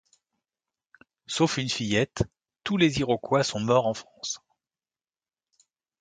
Sauf une fillette, tous les Iroquois sont morts en France.